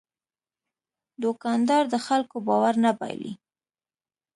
دوکاندار د خلکو باور نه بایلي.